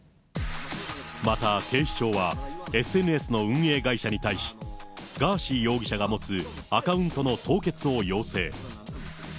また、警視庁はＳＮＳの運営会社に対し、ガーシー容疑者が持つアカウントの凍結を要請。